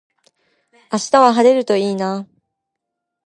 明日は晴れるといいな。